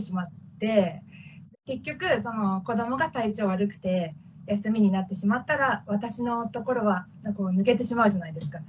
結局子どもが体調悪くて休みになってしまったら私のところは抜けてしまうじゃないですか。